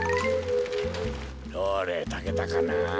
どれたけたかな？